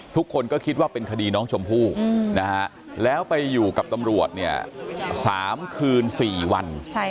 ทุกคนก็คิดว่าเป็นคดีน้องชมพู่แล้วไปอยู่กับตำรวจเนี่ย๓คืน๔วัน